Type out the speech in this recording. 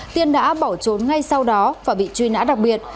tiên đã bỏ trốn ngay sau đó và bị truy nã đặc biệt